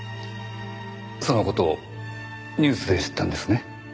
その事をニュースで知ったんですね？